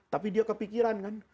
tapi dia kepikiran kan